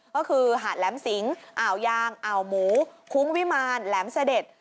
ก็คือหาดแหลมสิงอ่าวยางอ่าวหมูคุ้งวิมารแหลมเสด็จ